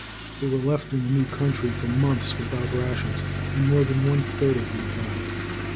They were left in the new country for months without rations, and more than one third of them died.